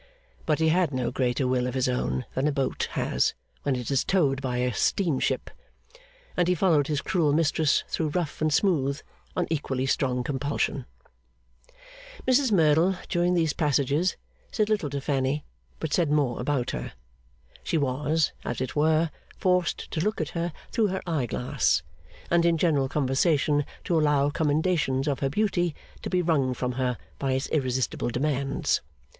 But he had no greater will of his own than a boat has when it is towed by a steam ship; and he followed his cruel mistress through rough and smooth, on equally strong compulsion. Mrs Merdle, during these passages, said little to Fanny, but said more about her. She was, as it were, forced to look at her through her eye glass, and in general conversation to allow commendations of her beauty to be wrung from her by its irresistible demands.